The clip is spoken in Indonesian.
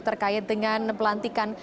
terkait dengan pelantikan